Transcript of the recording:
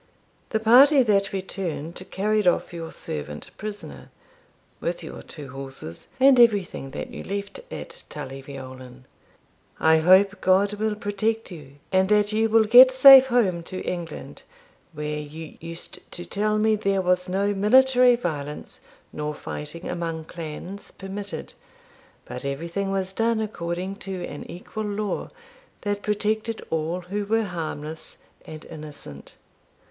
The party that returned carried off your servant prisoner, with your two horses, and everything that you left at Tully Veolan. I hope God will protect you, and that you will get safe home to England, where you used to tell me there was no military violence nor fighting among clans permitted, but everything was done according to an equal law that protected all who were harmless and innocent.